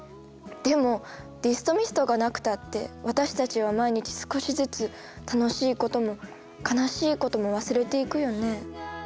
でもディストミストがなくたって私たちは毎日少しずつ楽しいことも悲しいことも忘れていくよね